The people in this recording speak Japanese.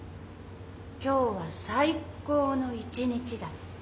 今日は最高の一日だった。